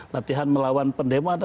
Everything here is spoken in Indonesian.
latihan melawan pendemo ada